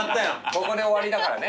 ここで終わりだからね。